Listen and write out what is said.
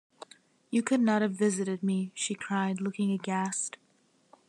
“You could not have visited me!” she cried, looking aghast.